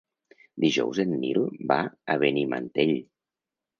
Dijous en Nil va a Benimantell.